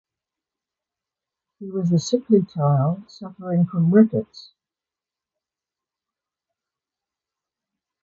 He was a sickly child, suffering from rickets.